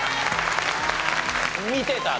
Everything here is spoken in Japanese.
見てた？